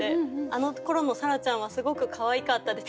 「あのころの沙羅ちゃんはすごくかわいかったで」。